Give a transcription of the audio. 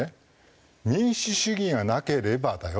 民主主義がなければだよ